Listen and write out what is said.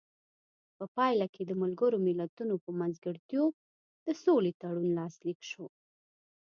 په پایله کې د ملګرو ملتونو په منځګړیتوب د سولې تړون لاسلیک شو.